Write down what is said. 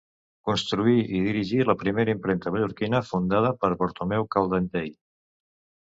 Construí i dirigí la primera impremta mallorquina, fundada per Bartomeu Caldentei.